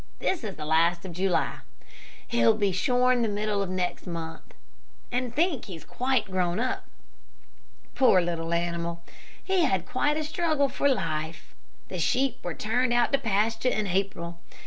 This is the last of July; he'll be shorn the middle of next month, and think he's quite grown up. Poor little animal! he had quite a struggle for life. The sheep were turned out to pasture in April.